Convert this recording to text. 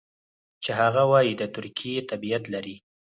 چې هغه وايي د ترکیې تابعیت لري.